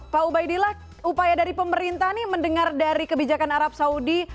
pak ubaidillah upaya dari pemerintah nih mendengar dari kebijakan arab saudi